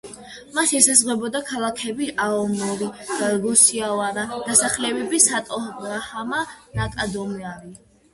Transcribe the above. მას ესაზღვრება ქალაქები აომორი, გოსიოგავარა, დასახლებები სოტოგაჰამა, ნაკადომარი.